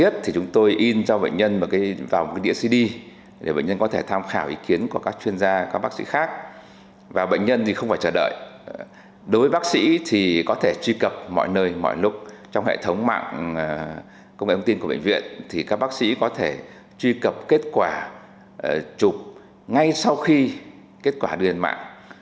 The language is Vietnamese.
trong hệ thống mạng công nghệ thông tin của bệnh viện các bác sĩ có thể truy cập kết quả chụp ngay sau khi kết quả đưa lên mạng